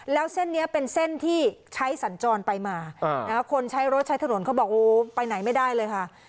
แล้วเส้นนี้เป็นเส้นที่ใช้สัญจรไปมาคนใช้รถใช้ถนนเขาบอกโอ้ไปไหนไม่ได้เลยค่ะ